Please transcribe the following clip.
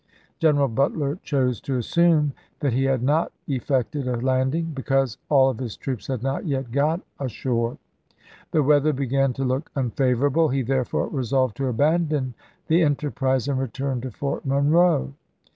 General But ier chose to assume that he had not effected a landing, because all of his troops had not yet got ashore ; the weather began to look unfavorable ; he therefore resolved to abandon the enterprise committee and return to Fort Monroe.